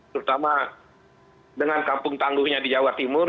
terutama dengan kampung tangguhnya di jawa timur